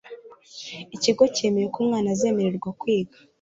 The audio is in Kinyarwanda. ikigo cyemeye ko umwana azemererwa kwiga